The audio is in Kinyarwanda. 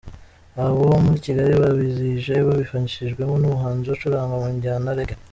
Abo muri Kigali bawizihije babifashijwemo n’umuhanzi ucuranga mu njyana "reggae".